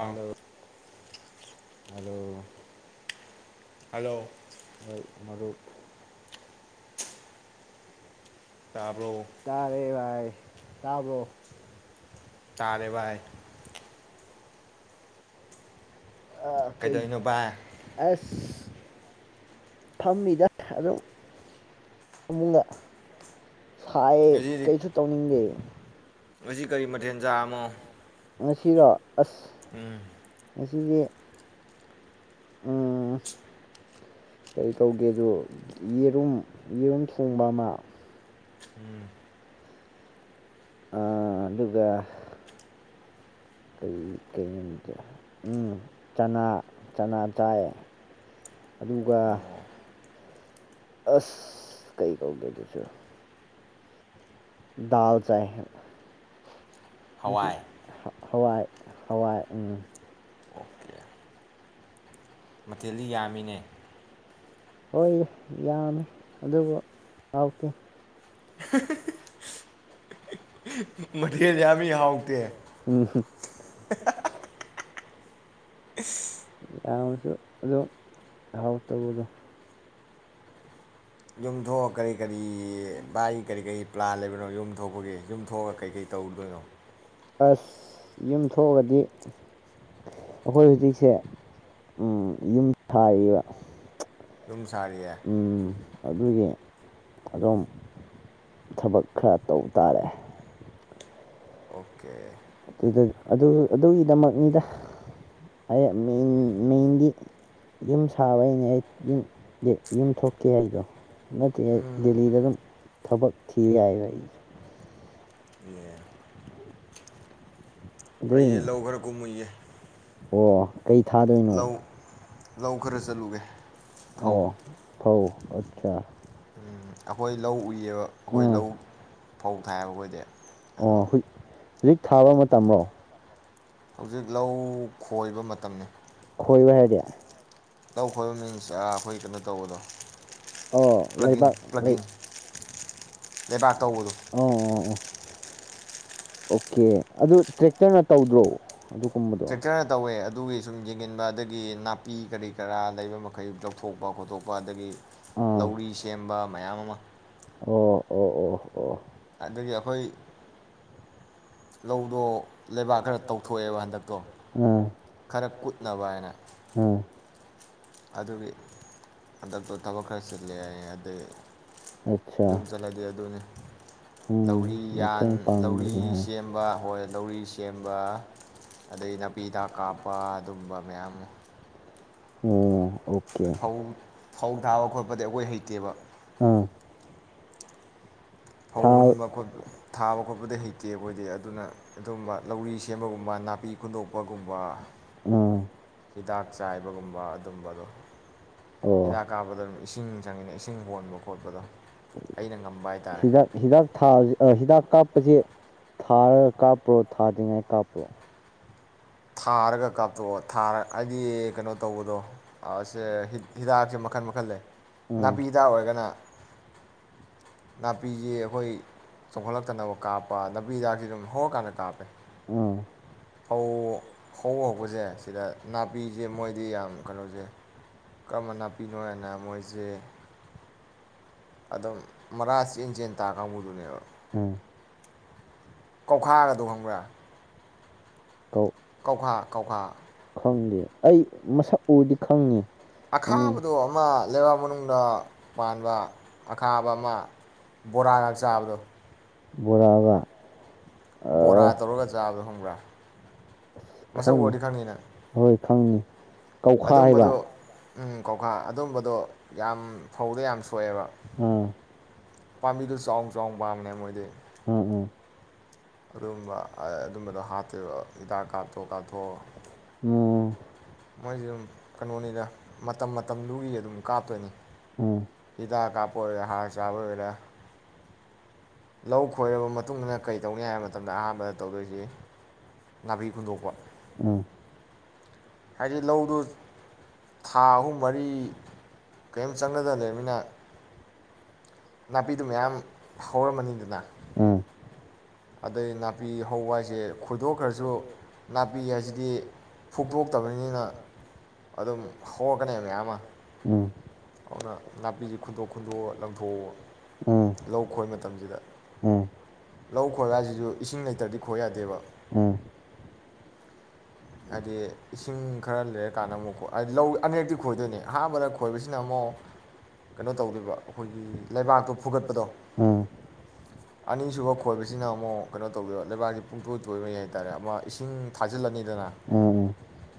Hello hello ꯍꯣꯏ ꯃꯔꯨꯞ ꯇꯥꯔꯦ ꯚꯥꯏ ꯇꯥꯕ꯭ꯔꯣ ꯇꯥꯔꯦ ꯚꯥꯏ ꯑꯁ ꯐꯝꯃꯤꯗ ꯑꯗꯨꯝ ꯐꯃꯨꯡꯗ ꯁꯥꯏꯑꯦ ꯀꯩꯁꯨ ꯇꯧꯅꯤꯡꯗꯦ [unintelligible] [unintelligible] ꯉꯁꯤꯔꯣ ꯑꯁ ꯎꯝ [unintelligible] [unintelligible] ꯌꯦꯔꯨꯝ ꯌꯦꯟ ꯊꯣꯡꯕ ꯑꯃ [unintelligible] ꯑꯥ ꯑꯗꯨꯒ [unintelligible] ꯀꯩ ꯀꯩꯅꫭ ꯆꯥꯅ ꯆꯥꯅ ꯆꯥꯏ ꯑꯗꯨꯒ ꯑꯁ [unintelligible] ꯗꯥꯜ ꯆꯥꯏ [unintelligible] ꯍꯋꯥꯏ ꯍꯋꯥꯏ ꯎꯝ ꯃꯊꯦꯜꯗꯤ ꯌꯥꯝꯃꯤꯅꯦ ꯍꯣꯏ ꯌꯥꯝꯃꯤ ꯑꯗꯨꯕꯨ ꯍꯥꯎꯇꯦ [unintelligible] ꯃꯊ‌ꯦꯜ ꯌꯥꯝꯃꯤ ꯍꯥꯎꯇ‌ꯦ ꯎꯝ [unintelligible] [unintelligible] [inaudible] ꯌꯨꯝ ꯊꯣꯛꯑ ꯀꯔꯤ ꯀꯔꯤ ꯚꯥꯏꯒꯤ ꯀꯔꯤ ꯀꯔꯤ ꯄ꯭ꯂꯥꯟ ꯂꯩꯕꯅꯣ ꯌꯨꯝ ꯊ‌ꯣꯛꯄꯒꯤ ꯌꯨꯝ ꯊ‌ꯣꯛꯑꯒ ꯀꯩ ꯀꯩ ꯇꯧꯔꯨꯗ‌ꯣꯢꯅ‌ꯣ ꯑꯁ ꯌꯨꯝ ꯊꯣꯛꯑꯒꯗꯤ ꯑꯈꯣꯢ ꯍꯨꯖꯤꯛꯁꯦ ꯎꯪ ꯌꯨꯝ ꯁꯥꯔꯤꯌꯦ ꯎꯝ ꯑ ꯑꯗꯨꯒꯤ ꯑꯗꯨꯝ ꯊꯕꯛ ꯈꯔ ꯇꯧ ꯇꯥꯔꯦ ꯑꯣꯀꯦ [unintelligible] [unintelligible] [inaudible] [inaudible] ꯑꯩꯁꯦ ꯂꯧ ꯈꯔ ꯀꯨꯝꯃꯨꯏꯒꯦ ꯑꯣ ꯀꯩ ꯊꯥꯗꯣꯏꯅꯣ ꯑꯣ ꯐꯧ ꯑꯆꯥ ꯑꯈꯣꯏ ꯂꯧ ꯎꯏ [unintelligible] ꯑꯈꯣꯏ ꯂꯧ ꯐꯧ [unintelligible] ꯑꯈꯣꯏꯗꯤ ꯑꯣ ꯍꯨꯏ ꯍꯨꯖꯤꯛ ꯊꯥꯕ ꯃꯇꯝꯔꯣ ꯍꯧꯖꯤꯛ ꯂꯧ ꯈꯣꯏꯕ ꯃꯇꯝꯅꯤ ꯈ‌ꯣꯏꯕ ꯍꯥꯏꯗꯤ [unintelligible] [unintelligible] ꯑꯩꯈꯣꯏ ꯀꯩꯅꯣ ꯇꯧꯕꯗꯣ ꯑꯣ ꯂꯩꯕꯥꯛ ꯂꯩ ꯑꯣ ꯑꯣ ꯑꯣ ꯑꯣꯀꯦ ꯑꯗꯨ ꯇ꯭ꯔꯦꯛꯇꯔꯅ ꯇꯧꯗ꯭ꯔꯣ ꯇ꯭ꯔꯦꯛꯇꯔꯅ ꯇꯧꯋꯦ ꯑꯗꯨꯒꯤ ꯁꯨꯝ ꯌꯦꯡꯖꯤꯟꯕ ꯑꯗꯒꯤ ꯅꯥꯄꯤ ꯀꯔꯤ ꯀꯔꯥ ꯂꯩꯕ ꯃꯈꯩ ꯂꯧꯊꯣꯛꯄ ꯈꯣꯇꯣꯛꯄ ꯑꯗꯒꯤ ꯂꯧꯔꯤ ꯁꯦꯝꯕ ꯃꯌꯥꯝ ꯑꯃ ꯑꯣ ꯑꯣ ꯑꯣ ꯑꯣ ꯑꯗꯒꯤ ꯑꯩꯈꯣꯏ ꯂꯧꯗꯣ ꯂꯩꯕꯥꯛ ꯈꯔ ꯇꯧꯊꯣꯛꯑꯦꯕ ꯍꯟꯗꯛꯇꯣ ꯑ ꯈꯔ ꯀꯨꯠꯅꯕ ꯍꯥꯏꯅ ꯑ ꯑꯗꯨꯒꯤ ꯍꯟꯗꯛꯇꯣ ꯊꯕꯛ ꯈꯔ ꯆꯤꯜꯂꯦ ꯑꯗꯩ ꯌꯨꯝ ꯆꯠꯂꯗꯤ ꯑꯗꯨꯅꯤ ꯂꯧꯔꯤ ꯌꯥꯟ ꯂꯧꯔꯤ ꯁꯦꯝꯕ ꯍꯣꯏ ꯂꯧꯔꯤ ꯁꯦꯝ ꯕ ꯑꯗꯩ ꯄꯤ ꯍꯤꯗꯥꯛ ꯀꯥꯞꯄ ꯑꯗꯨꯒꯨꯝꯕ ꯃꯌꯥꯝ ꯑꯃ ꯑꯣ ꯑꯣ ꯐꯧ ꯐꯧ ꯊꯥꯕ ꯈꯣꯠꯄꯗꯤ ꯑꯩꯈꯣꯏ ꯍꯩꯇꯦꯕ꯫ ꯐꯧ ꯍꯨꯟꯕ ꯈꯣꯠꯄ ꯊꯥꯕ ꯈꯣꯠꯄꯗꯤ ꯍꯩꯇꯦ ꯑꯩꯈꯣꯏꯗꯤ ꯑꯗꯨꯅ ꯑꯗꯨꯝꯕ ꯂꯧꯔꯤ ꯁꯦꯝꯕꯒꯨꯝꯕ ꯅꯥꯄꯤ ꯈꯨꯨꯟꯗꯣꯛꯄꯒꯨꯝꯕ ꯑ ꯍꯤꯗꯥꯛ ꯆꯥꯏꯕꯒꯨꯝꯕ ꯑꯗꯨꯝꯕꯗꯣ ꯍꯤꯗꯥꯛ ꯀꯥꯞꯄꯗ ꯑꯗꯨꯝ ꯏꯁꯤꯡ ꯆꯪꯉꯤꯗꯅ ꯏꯁꯤꯡ ꯍꯣꯟꯕ ꯈꯣꯠꯄꯗꯣ ꯑꯩꯅ ꯉꯝꯕ ꯍꯥꯏꯇꯥꯥꯔꯦ꯫ ꯀꯥꯞꯄꯖꯦ ꯊꯥꯔꯒ ꯀꯥꯞꯄ꯭ꯔꯣ꯫ ꯊꯥꯗ꯭ꯔꯤꯉꯩ ꯀꯥꯞꯄ꯭ꯔꯣ꯫ ꯊꯥꯔꯒ ꯀꯥꯞꯊꯣꯛꯑꯣ ꯊꯥꯔ ꯍꯥꯏꯗꯤ ꯀꯩꯅꯣ ꯇꯧꯕꯗꯣ ꯑ ꯁꯦ ꯍꯤꯗꯥꯛꯁꯦ ꯃꯈꯟ ꯃꯈꯟ ꯂꯩ꯫ ꯅꯥꯄꯤ ꯍꯤꯗꯥꯛ ꯑꯣꯏꯔꯒꯅ ꯅꯥꯄꯤꯖꯤ ꯑꯩꯈꯣꯏ ꯆꯣꯡꯈꯠꯂꯛ ꯇꯅꯕ ꯀꯥꯞ ꯀꯣ ꯅꯥꯄꯤꯍꯤꯗꯥꯛꯁꯤ ꯑꯗꯨꯝ ꯍꯧꯔꯀꯥꯟꯗ ꯀꯥꯞꯄꯦ ꯐꯧ ꯍꯧꯕ ꯍꯧꯕꯖꯦ ꯁꯤꯗ ꯅꯥꯄꯤꯖꯦ ꯃꯣꯏꯗꯤ ꯌꯥꯝ ꯀꯩꯅꯣꯖꯦ ꯀꯔꯝꯕ ꯅꯥꯄꯤꯅꯣ ꯍꯥꯏꯅ ꯃꯣꯏꯖꯦ ꯑꯗꯨꯝ ꯃꯔꯥ ꯆꯦꯟ ꯆꯦꯟ ꯇꯥꯕ ꯀꯥꯡꯒꯨꯗꯨꯅꯦꯕ ꯎꯝ ꯀꯧꯈꯥꯒꯗꯣ ꯍꯪꯕ꯭ꯔꯥ ꯀꯧꯈꯥ ꯀꯧꯈꯥ꯫ ꯑꯩ ꯃꯁꯛ ꯎꯔꯗꯤ ꯈꯪꯅꯤ꯫ ꯑꯈꯥꯕꯗꯣ ꯑꯃ ꯂꯩꯕꯥꯛ ꯃꯅꯨꯡꯗ ꯄꯥꯟꯕ꯫ ꯑꯈꯥꯕ ꯑꯃ ꯕꯣꯔꯥꯒ ꯆꯥꯕꯗꯣ꯫ ꯕꯣꯔꯥꯒ ꯕꯣꯔꯥ ꯇꯧꯔꯒ ꯆꯥꯕꯗ ꯈꯪꯕ꯭ꯔꯥ ꯃꯁꯛ ꯑꯨꯔꯗꯤ ꯈꯪꯅꯤ ꯅꯪ꯫ ꯈꯪꯅꯤ꯫ ꯀꯧꯈꯥ ꯍꯥꯏꯕ꯫ ꯎꯝ ꯀꯧꯈꯥ ꯑꯗꯨꯝꯕꯗꯣ ꯌꯥꯝ ꯐꯧꯗ ꯌꯥꯝ ꯁꯣꯛꯑꯦꯕ ꯑꯥ ꯄꯥꯝꯕꯤꯗꯨꯣ ꯆꯥꯎ ꯆꯥꯎꯅ ꯄꯥꯝꯕꯅꯦ ꯃꯣꯏꯗꯤ ꯎꯝ ꯎꯝ ꯑꯗꯨꯒꯕ ꯑꯗꯨꯝꯕꯗꯣ ꯍꯥꯇꯦꯕ ꯎꯝ ꯃꯣꯏꯁꯦ ꯑꯗꯨꯝ ꯀꯩꯅꯣꯅꯤꯗ ꯃꯇꯝ ꯃꯇꯝꯗꯨꯒꯤ ꯞꯣꯏ ꯎ ꯍꯤꯗꯥꯛ ꯀꯥꯞꯄ ꯑꯣꯏꯔ ꯍꯥꯔ ꯆꯥꯕ ꯑꯣꯏꯣꯏꯔꯦ ꯂꯧ ꯈꯣꯏꯔꯕ ꯃꯇꯨꯡ ꯃꯇꯨꯡꯏꯟꯅ ꯀꯔꯤ ꯇꯧꯅꯤ ꯍꯥꯏꯕ ꯃꯇꯝꯗ ꯑꯍꯥꯟꯕꯗ ꯇꯧꯕꯣꯏꯅꯤ ꯅꯥꯕꯤꯒꯨꯝꯕꯀꯣ ꯎꯝ ꯍꯥꯏꯗꯤ ꯂꯧꯗꯨ ꯊꯥ ꯑꯍꯨꯝ ꯃꯔꯤ ꯀꯔꯦꯝ ꯆꯪꯅꯗꯥꯟ ꯂꯩꯔꯝꯅꯤꯅ ꯅꯥꯄꯤꯗꯨ ꯃꯌꯥꯝ ꯍꯧꯔꯝꯃꯅꯤꯗꯅ ꯑꯗꯩ ꯅꯥꯄꯤ ꯍꯧꯕ ꯍꯥꯏꯁꯦ ꯈꯣꯏꯗꯣꯛꯈ꯭ꯔꯁꯨ ꯅꯥꯄꯤ ꯍꯥꯏꯁꯤꯗꯤ ꯐꯨꯛꯇꯣꯛꯇꯕꯅꯤꯅꯤꯅ ꯑꯗꯨꯝ ꯍꯧꯔꯛꯀꯅꯤ ꯃꯌꯥꯝ ꯑꯃ ꯎꯝ ꯑꯗꯨꯅ ꯅꯥꯄꯤꯁꯤ ꯈꯨꯨꯟꯇꯣꯛ ꯈꯨꯨꯟꯗꯣꯛꯑ ꯂꯪꯊꯣꯛꯎ ꯂꯧ ꯈꯣꯏ ꯃꯇꯝꯁꯤꯗ ꯂꯧ ꯈꯣꯂꯁꯤꯁꯨ ꯏꯁꯤꯡ ꯂꯩꯇꯗꯤ ꯊꯣꯛ ꯌꯥꯗꯦꯕ ꯍꯥꯏꯗꯤ ꯏꯁꯤꯡ ꯈꯔ ꯂꯩꯔꯀꯥꯟꯗ ꯑꯃꯨꯛꯀꯣ ꯂꯧ ꯑꯅꯛꯇꯤ ꯈꯣꯏꯗꯣꯏꯅꯦ ꯑꯥꯕꯗ ꯈꯣꯏꯕꯁꯤꯅ ꯑꯃꯨꯛ ꯀꯩꯅꯣ ꯇꯧꯗꯣꯏꯕ ꯑꯩꯈꯣꯏꯒꯤ ꯂꯩꯕꯥꯛꯇꯣ ꯐꯨꯒꯠꯄꯗꯣ ꯑꯅꯤꯁꯨꯕ ꯈꯣꯏꯕꯁꯤꯅ ꯑꯃꯨꯛ ꯀꯩꯅꯣ ꯇꯧꯗꯦꯕ ꯂꯩꯕꯥꯛꯁꯤꯦ ꯄꯨꯡꯇꯣꯏ ꯇꯣꯏꯕꯩ ꯍꯥꯏꯇꯥꯔꯦ ꯑꯃ ꯏꯁꯤꯡ ꯊꯥꯖꯤꯜꯂꯅꯤꯗꯅ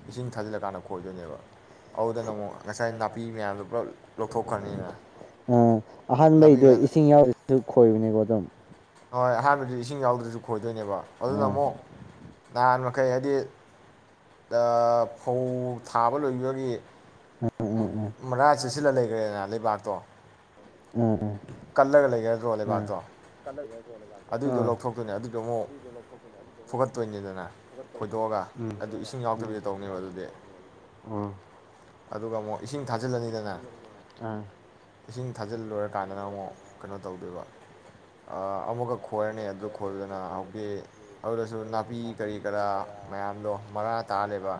ꯏꯁꯤꯡ ꯊꯥꯖꯤꯜꯂꯀꯥꯟꯗ ꯈꯣꯏꯗꯣꯏꯅꯦꯕ ꯑꯗꯨꯗꯅ ꯑꯃꯛ ꯑꯥ ꯑꯍꯥꯟꯕꯩꯗꯣ ꯏꯁꯤꯡ ꯌꯥꯎꯔꯤꯁꯨ ꯈꯣꯏꯕꯅꯦꯀꯣ ꯑꯗꯨꯝ ꯍꯣꯏ ꯑꯍꯥꯟꯕꯗꯗꯤ ꯏꯁꯤꯡ ꯌꯥꯎꯗ꯭ꯔꯁꯨ ꯈꯣꯏꯗꯦ ꯑꯗꯨꯣꯏꯅꯦꯕ ꯑꯗꯨꯅ ꯑꯃꯨꯛ ꯅꯍꯥꯟ ꯃꯈꯩ ꯍꯥꯏꯗꯤ ꯑ ꯐꯧ ꯊꯥꯕ ꯂꯣꯏꯕꯒꯤ ꯃꯔꯥ ꯆꯦ ꯁꯤꯜꯂ ꯂꯩꯈ꯭ꯔꯦꯅ ꯂꯩꯕꯥꯛꯇꯣ ꯎꯝ ꯎꯝ ꯎꯝ ꯑꯗꯨꯒ ꯑꯃꯨꯛ ꯏꯁꯤꯡ ꯊꯥꯖꯤꯜꯂꯅꯤꯗꯅ ꯏꯁꯤꯡ ꯊꯥꯖꯤꯜꯂꯣꯏꯔꯀꯥꯟꯗꯅ ꯑꯃꯨꯛ ꯀꯩꯅꯣ ꯇꯧꯗꯣꯏꯕ ꯑꯃꯨꯛꯀ ꯈꯣꯏꯔꯅꯤ ꯑꯗꯨ ꯈꯣꯏꯗꯅ ꯍꯧꯖꯤꯛꯇꯤ ꯑꯗꯨꯗꯁꯨ ꯅꯥꯄꯤ ꯀꯔꯤ ꯀꯔꯥ ꯃꯌꯥꯝꯗꯣ ꯃꯔꯥ ꯇꯥꯜꯂꯦꯕ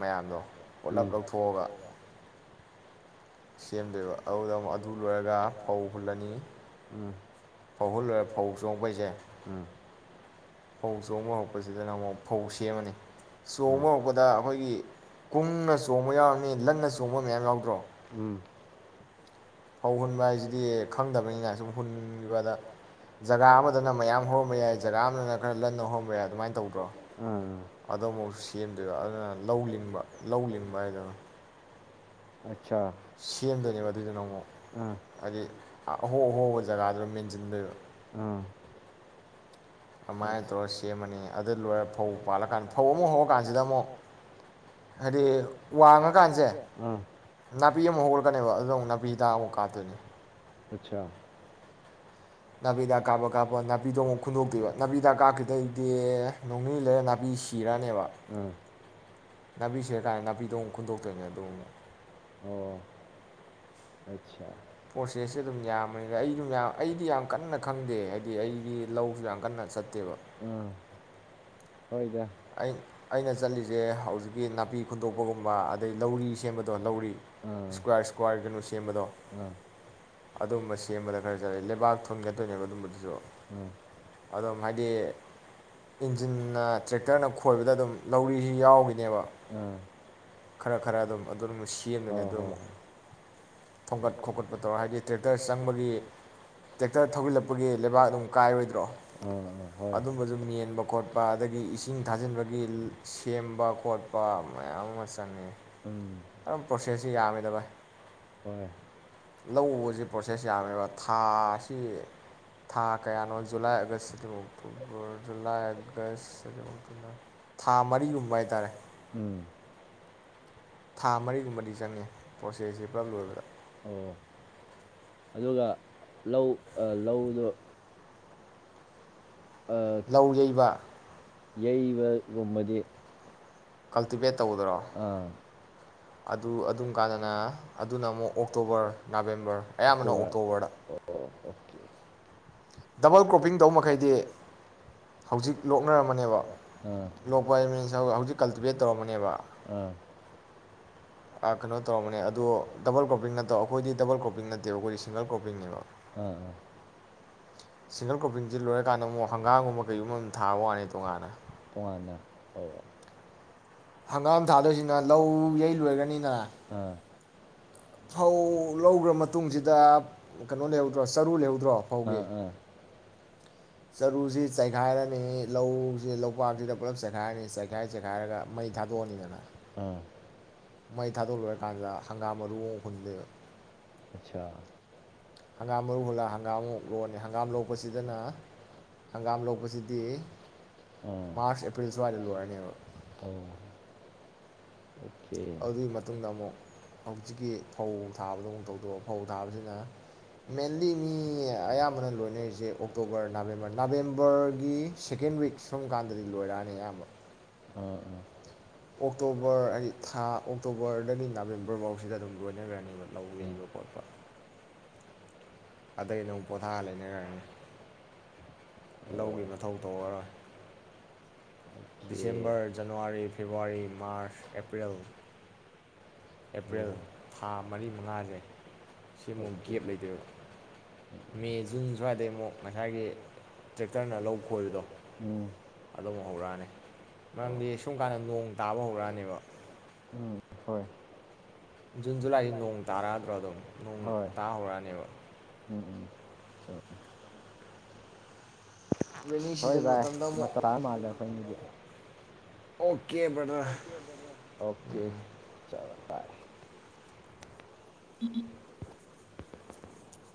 ꯃꯌꯥꯝꯗꯣ ꯄꯨꯂꯞ ꯂꯧ ꯊꯣꯛꯒ ꯁꯦꯝꯗꯣꯏꯕ ꯑꯗꯨꯗ ꯑꯃꯨꯛ ꯑꯗꯨ ꯂꯣꯏꯔꯒ ꯐꯧ ꯍꯨꯜꯂꯅꯤ ꯐꯧ ꯍꯨꯜ ꯂꯣꯏꯔ ꯐꯧ ꯐꯧ ꯆꯣꯡꯄ ꯍꯥꯏꯁꯦ ꯐꯧ ꯆꯣꯡꯕ ꯍꯧꯔꯛꯄꯁꯤꯗꯅ ꯑꯃꯨꯛ ꯐꯧ ꯁꯦꯝꯃꯅꯤ ꯆꯣꯡꯕ ꯍꯧꯔꯛꯄꯗ ꯑꯩꯈꯣꯏꯒꯤ ꯀꯨꯡꯅ ꯆꯣꯡꯕ ꯌꯥꯎꯔꯅꯤ ꯂꯟꯅ ꯆꯣꯡꯕ ꯃꯌꯥꯝ ꯌꯥꯎꯗ꯭ꯔꯣ ꯐꯧ ꯍꯨꯟꯕ ꯍꯥꯏꯁꯤꯗꯤ ꯈꯪꯗꯕꯅꯤꯅ ꯁꯨꯝ ꯕꯗ ꯖꯒꯥ ꯑꯃꯗꯅ ꯃꯌꯥꯝ ꯍꯣꯡꯕ ꯌꯥꯏ ꯖꯒꯥ ꯑꯃꯗꯅ ꯈꯔ ꯂꯟꯅ ꯍꯧꯔꯝꯕꯕ ꯌꯥꯏ ꯑꯗꯨꯃꯥꯏꯅ ꯇꯧꯕ ꯑꯗꯨꯏ ꯂꯧꯕ ꯂꯧ ꯁꯦꯝꯗꯣꯏꯅꯦꯕ ꯑꯗꯨꯏꯗꯨꯅ ꯑꯃꯨꯛ ꯍꯥꯏꯗꯤ ꯑꯍꯣ ꯑꯍꯣꯕ ꯖꯒꯥꯗꯨꯗ ꯃꯦꯟꯁꯤꯟꯗꯣꯏꯕ ꯑꯥ ꯃꯥꯏꯅ ꯇꯧꯔ ꯁꯦꯝꯃ ꯑꯗꯨ ꯐꯧꯥꯠꯂꯀꯥꯟꯗ ꯐꯧ ꯑꯃ ꯍꯧꯔꯀꯥꯟꯁꯤꯗ ꯑꯃꯨꯛ ꯍꯥꯏꯗꯤ ꯋꯥꯡꯉꯀꯥꯟꯁꯦ ꯅꯥꯕꯤ ꯑꯃ ꯍꯧꯔꯗꯅꯦꯕ ꯑꯗꯨꯅ ꯑꯃꯛ ꯅꯥꯕꯤ ꯍꯤꯗꯥꯛ ꯑꯃꯨꯛ ꯍꯥꯄ ꯑꯆꯥ ꯅꯥꯄꯤ ꯍꯤꯗꯥꯛ ꯀꯥꯞꯕ ꯀꯥꯞꯄ ꯅꯥꯄꯤꯗꯛ ꯈꯨꯗꯣꯛꯕ ꯅꯥꯄꯤꯗ ꯀꯥꯗ ꯏꯦ ꯅꯥꯄꯤ ꯁꯤꯔꯅꯦꯔ ꯑꯥ [unintelligible] ꯑꯣ [inaudible] ꯄ꯭ꯔꯣꯁꯦꯁꯁꯦ ꯑꯗꯨꯝ ꯌꯥꯝꯕꯅꯤꯗ ꯑꯩ ꯑꯗꯨꯝ ꯌꯥꯝ ꯑꯩꯗꯤ ꯌꯥꯝ ꯀꯟꯅ ꯈꯪꯗꯦ ꯍꯥꯏꯗꯤ ꯑꯩꯒꯤ ꯂꯧꯁꯨ ꯌꯥꯝ ꯀꯟꯅ ꯆꯠꯇꯦꯕ ꯀꯩꯗ ꯑꯩꯅ ꯆꯠꯂꯤꯁꯦ ꯍꯧꯖꯤꯛꯀꯤ ꯅꯥꯄꯤ ꯈꯨꯨꯟꯗꯣꯛꯄꯒꯨꯝꯕ ꯑꯗꯩ ꯂꯧꯔꯤ ꯁꯦꯝꯕꯗꯣ ꯂꯧꯔꯤ ꯏꯁꯀ꯭ꯋꯥꯔ ꯏꯁꯀ꯭ꯋꯥꯔ ꯀꯩꯅꯣ ꯁꯦꯝꯕꯗꯣ ꯑꯗꯨꯝꯕ ꯁꯦꯝꯕꯗ ꯈꯔ ꯆꯠꯂꯤ ꯂꯩꯕꯥꯛ ꯊꯣꯟꯒꯠ ꯊꯣꯛ ꯇꯣꯏꯅꯦꯕ ꯑꯗꯨꯝꯕꯗꯨꯁꯨ ꯑꯝ ꯍꯥꯏꯗꯤ ꯏꯟꯖꯤꯟꯅ ꯇꯦꯛꯇꯔꯅ ꯈꯣꯏꯕꯗ ꯑꯗꯨꯝ ꯂꯧꯔꯤꯁꯤ ꯌꯥꯎꯈꯤꯅꯦꯕ ꯈꯔ ꯈꯔ ꯑꯗꯨꯝ ꯈꯣꯠ ꯈꯣꯠ ꯇꯧꯔ ꯍꯥꯏꯗꯤ ꯇ꯭ꯔꯦꯛꯇꯔ ꯆꯪꯕꯒꯤ ꯇꯦꯛꯇꯔ ꯊꯖꯤꯜꯂꯛꯄꯒꯤ ꯂꯩꯕꯥꯛ ꯀꯥꯏꯔꯣꯏꯗ꯭ꯔꯣ ꯍꯣꯏ ꯈꯣꯠꯄ ꯑ ꯊꯖꯤꯟ ꯊꯥꯖꯤꯟꯕꯗꯤ ꯆꯦꯟꯕ ꯈꯣꯠꯄ ꯑꯗꯨꯌꯥꯝ ꯑꯃ ꯎꯝ ꯌꯥꯝ ꯄ꯭ꯔꯣꯁꯦꯁꯁꯨ ꯌꯥꯔꯗꯕ ꯍꯣꯏ ꯂꯧ ꯎꯕꯗꯤ ꯄ꯭ꯔꯣꯠꯁꯦꯁ ꯌꯥꯒꯦꯗꯕ ꯁꯥ ꯊꯥ ꯀꯌꯥꯅꯣ ꯖꯨꯂꯥꯏ ꯑꯥꯒꯁꯁꯤꯗꯤ ꯖꯨꯂꯥꯏ ꯑꯥꯒꯁ ꯊꯥ ꯃꯔꯤꯒꯨꯝꯕ ꯍꯥꯏꯇꯥꯔꯦ ꯊꯥ ꯃꯔꯤꯒꯨꯝꯕꯗꯤ ꯆꯪꯉꯦ ꯄ꯭ꯔꯣꯁꯦꯁꯁꯦ ꯄꯨꯂꯞ ꯂꯣꯏꯕꯗ ꯑꯗꯨꯒ ꯂꯧ ꯂꯧꯗꯣ ꯂꯧ ꯌꯩꯕ ꯌꯩꯕꯒꯨꯝꯕꯗꯤ ꯀꯜꯇꯤꯚꯦꯠ ꯇꯧꯗꯣꯏꯔꯣ ꯑꯗꯨ ꯑꯗꯨꯝ ꯀꯥꯟꯗꯅ ꯑꯗꯨꯅ ꯑꯃꯨꯛ ꯑꯣꯛꯇꯣꯕꯔ ꯅꯕꯦꯝꯕꯔ ꯑꯌꯥꯝꯕꯅ ꯑꯣꯛꯇꯣꯕꯔꯗ [inaudible] ꯗꯕꯜ ꯀ꯭ꯔꯣꯞꯄꯤꯡ ꯇꯧꯕ ꯃꯈꯩꯗꯤ ꯍꯧꯖꯤꯛ ꯂꯣꯛꯅꯔꯝꯕꯅꯦꯕ ꯂꯣꯛ ꯍꯧꯖꯤꯚꯦ ꯇꯧꯅꯦꯕ ꯑ ꯀꯩꯅꯣ ꯇꯧꯔꯝꯕꯅꯦ ꯑꯗꯣ ꯗꯕꯜ ꯀ꯭ꯔꯣꯄꯤꯡ ꯅꯠꯇ ꯑꯩꯈꯣꯏꯗꯤ ꯗꯕꯜ ꯀ꯭ꯔꯣꯞꯄꯤꯡ ꯅꯠꯇꯦꯕ ꯑꯩꯈꯣꯏꯗꯤ ꯁꯤꯡꯒꯜ ꯀ꯭ꯔꯣꯄꯤꯡꯅꯦꯕ ꯁꯤꯡꯒꯜ ꯀ꯭ꯔꯣꯄꯤꯡꯁꯤ ꯂꯣꯏꯔꯀꯥꯟꯗ ꯍꯪꯒꯥꯒꯨꯝꯕꯥ ꯀꯩꯒꯨꯝꯕꯥ ꯑꯗꯨꯝ ꯊꯥꯕꯩ ꯋꯥꯅꯤ ꯇꯣꯉꯥꯟꯅ ꯍꯒꯥꯝ ꯊꯥꯗꯣꯏꯁꯤꯅ ꯂꯧ ꯌꯩ ꯑꯣꯏꯒꯅꯤꯅ ꯐꯧ ꯂꯧꯈ꯭ꯔ ꯃꯇꯨꯡꯁꯤꯗ ꯀꯩꯅꯣ ꯂꯩꯍꯧꯗ꯭ꯔꯣ ꯆꯔꯨ ꯂꯩꯍꯧꯗ꯭ꯔꯣ ꯐꯧꯒꯤ ꯆꯨꯔꯨꯁꯦ ꯆꯥꯏꯈꯥꯏꯔꯅꯤ ꯂꯧꯁꯦ ꯂꯧꯕꯛ ꯁꯤꯗ ꯄꯨꯂꯞ ꯆꯥꯏꯈꯥꯏꯔꯅꯤ, ꯆꯥꯏꯈꯥꯏꯔ ꯆꯥꯏꯈꯥꯏꯔꯒ ꯃꯩ꯫ ꯊꯥꯗꯣꯛꯑꯅꯤꯗꯅ ꯃꯩ ꯊꯥꯗꯣꯛ ꯂꯣꯏꯔꯀꯥꯟꯗ ꯍꯪꯒꯥꯝ ꯃꯥꯔꯨ ꯑꯃꯨꯛ ꯍꯨꯟꯗꯣꯏꯕ꯫ ꯑꯠꯁꯥ꯫ ꯍꯪꯒꯥꯝ ꯃꯔꯨ ꯍꯨꯜꯂꯥ ꯍꯪꯒꯥꯝ ꯑꯃꯨꯛ ꯂꯣꯛꯑꯅꯤ ꯍꯪꯒꯥꯝ ꯂꯣꯛꯄꯁꯤꯗꯅ ꯍꯪꯒꯥꯝ ꯂꯣꯛꯄꯁꯤꯗꯤ ꯑꯥ ꯃꯥꯔꯆ ꯑꯦꯄ꯭ꯔꯤ ꯁ꯭ꯋꯥꯏꯗ ꯂꯣꯏꯔꯅꯦꯕ ꯑꯥꯎ꯫ ꯑꯗꯨꯏ ꯃꯇꯨꯡꯗ ꯑꯃꯨꯛ ꯍꯧꯖꯤꯛꯀꯤ ꯐꯧ ꯊꯥꯕꯗꯨ ꯑꯃꯨꯛ ꯇꯧꯗꯧꯕ꯫ ꯐꯧ ꯊꯥꯕꯗꯨꯅ ꯃꯦꯟꯂꯤ ꯅꯤ ꯑꯌꯥꯝꯕꯅ ꯂꯣꯏꯅꯔꯤꯖꯦ ꯑꯣꯛꯇꯣꯕꯔ ꯅꯕꯦꯝꯕꯔ ꯅꯕꯦꯝꯕꯔꯒꯤ ꯁꯦꯀꯦꯟ ꯋꯤꯛ ꯁꯨꯝ ꯀꯥꯟꯗꯗꯤ ꯂꯣꯏꯔꯛꯑꯅꯤ ꯑꯌꯥꯝꯕ꯫ ꯑꯥꯑꯥ꯫ ꯑꯣꯛꯇꯣꯕꯔ ꯍꯥꯏꯗꯤ ꯊꯥ ꯑꯣꯛꯇꯣꯕꯔꯗꯒꯤ ꯅꯕꯦꯝꯕꯔꯕꯧꯖꯤꯗ ꯑꯗꯨꯝ ꯂꯣꯏꯅꯒ꯭ꯔꯅꯤꯕ ꯂꯧ ꯌꯩꯕ ꯈꯣꯠꯄ꯫ ꯑꯗꯩ ꯑꯗꯨꯝ ꯄꯣꯊꯥ ꯂꯩꯅꯒ꯭ꯔꯅꯤ ꯂꯧꯒꯤ ꯃꯊꯧ ꯇꯧꯔꯔꯣꯏ꯫ December January February March April April ꯊꯥ ꯃꯔꯤ ꯃꯉꯥꯖꯦ ꯁꯤꯃꯨꯛ ꯒꯦꯞ ꯂꯩꯗꯣꯏꯕ꯫ ꯃꯦ ꯖꯨꯟ ꯁ꯭ꯋꯥꯏꯗꯩ ꯑꯃꯨꯛ ꯉꯥꯁꯥꯏꯒꯤ ꯇ꯭ꯔꯦꯛꯇꯔꯅ ꯂꯧ ꯈꯣꯏꯕꯗꯣ ꯑꯗꯨ ꯑꯃꯨꯛ ꯍꯧꯔꯛ ꯑꯅꯤ ꯃꯔꯝꯗꯤ ꯁꯨꯝ ꯀꯟꯗ ꯅꯣꯡ ꯇꯥꯕ ꯍꯧꯔꯛ ꯑꯅꯤꯕꯅꯤ꯫ ꯍꯣꯏ ꯖꯨꯟ ꯖꯨꯂꯥꯏꯗꯤ ꯅꯣꯡ ꯇꯥꯔꯛꯑꯗꯔꯣ ꯑꯗꯨꯝ ꯅꯣꯡ ꯇꯥ ꯍꯧꯔꯛꯑꯅꯤꯕ꯫ ꯍꯣꯏ ꯚꯥꯏ ꯃꯇꯝ [unintelligible] ꯃꯥꯜꯂꯦ ꯑꯩꯈꯣꯏ ꯑꯄꯤꯒꯤ ꯑꯣꯀꯦ ꯕ꯭ꯔꯗꯔ ꯑꯣꯀꯦ [inaudible] [unintelligible]